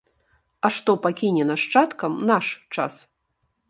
А што пакіне нашчадкам наш час?